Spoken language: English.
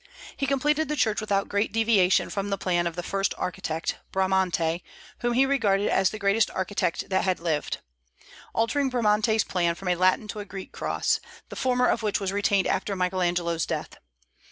He completed the church without great deviation from the plan of the first architect, Bramante, whom he regarded as the greatest architect that had lived, altering Bramante's plans from a Latin to a Greek cross, the former of which was retained after Michael Angelo's death.